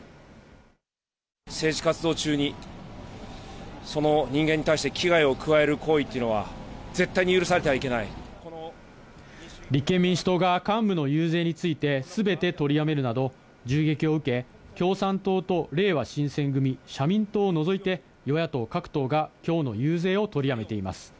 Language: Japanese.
政治活動中に、その人間に対して危害を加える行為っていうのは、絶対に許されて立憲民主党が幹部の遊説についてすべて取りやめるなど、銃撃を受け、共産党とれいわ新選組、社民党を除いて、与野党各党がきょうの遊説を取りやめています。